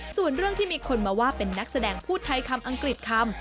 ส่วนเรื่องที่มีคนมาว่าเป็นนักแสดงพูดไทยคำอังกฤษคำ